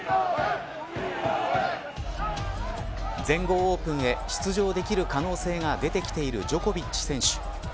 全豪オープンへ出場できる可能性が出てきているジョコビッチ選手。